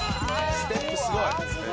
ステップすごい。